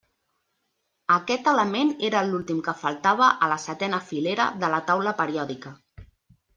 Aquest element era l'últim que faltava a la setena filera de la taula periòdica.